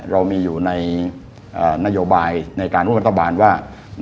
เรามีอยู่ในนโยบายในการพุทธบาทว่า